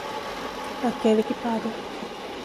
Aquele que paga.